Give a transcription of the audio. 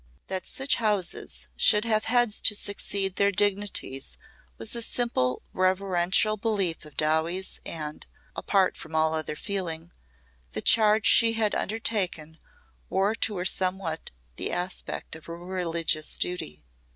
That such houses should have heads to succeed to their dignities was a simple reverential belief of Dowie's and apart from all other feeling the charge she had undertaken wore to her somewhat the aspect of a religious duty.